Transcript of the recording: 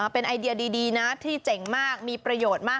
เป็นไอเดียดีนะที่เจ๋งมากมีประโยชน์มาก